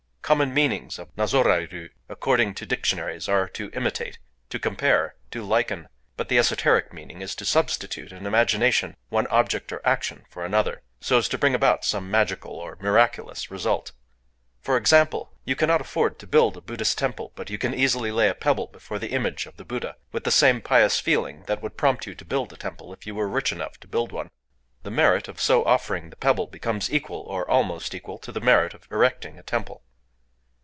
Common meanings of nazoraëru, according to dictionaries, are "to imitate," "to compare," "to liken;" but the esoteric meaning is to substitute, in imagination, one object or action for another, so as to bring about some magical or miraculous result. For example:—you cannot afford to build a Buddhist temple; but you can easily lay a pebble before the image of the Buddha, with the same pious feeling that would prompt you to build a temple if you were rich enough to build one. The merit of so offering the pebble becomes equal, or almost equal, to the merit of erecting a temple...